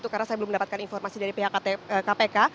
karena saya belum mendapatkan informasi dari pihak kpk